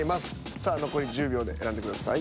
さあ残り１０秒で選んでください。